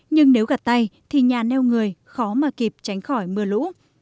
nhưng nếu gặt tay thì nhà neo người khó mà kịp tránh khỏi mưa lũ